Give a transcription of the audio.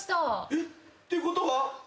えっ？ってことは。